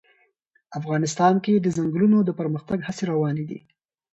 افغانستان کې د ځنګلونه د پرمختګ هڅې روانې دي.